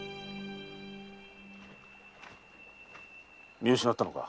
見失ったのか。